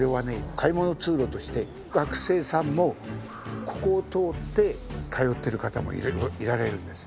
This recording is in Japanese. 買い物通路として学生さんもここを通って通ってる方もいられるんです。